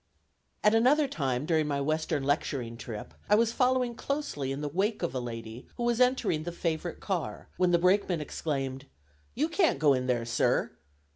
At another time during my western lecturing trip, I was following closely in the wake of a lady who was entering the favorite car, when the brakeman exclaimed; "You can't go in there, sir!"